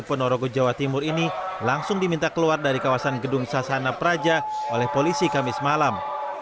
ponorogo jawa timur ini langsung diminta keluar dari kawasan gedung sasana praja oleh polisi kamis malam